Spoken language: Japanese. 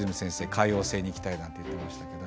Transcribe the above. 海王星に行きたいなんて言ってましたけど